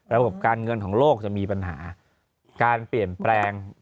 ระบบการเงินของโลกจะมีปัญหาการเปลี่ยนแปลง